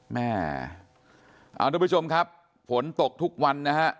อ่าทุกผู้ชมครับฝนตกทุกวันนะฮะ